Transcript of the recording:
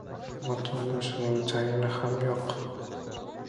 Ota-onasining tayini ham yo‘q